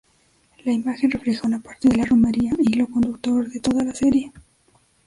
La imagen refleja una parte de la romería, hilo conductor de toda la serie.